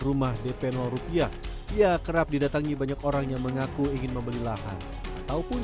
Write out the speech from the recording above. rumah dp rupiah ia kerap didatangi banyak orang yang mengaku ingin membeli lahan ataupun